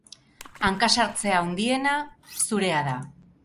Hankasartze handiena zurea da.